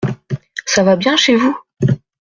Ça va bien chez vous ?…